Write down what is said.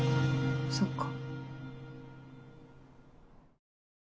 そっか。